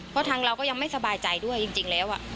เพราะทางเราก็ยังไม่สบายใจด้วยจริงแล้ว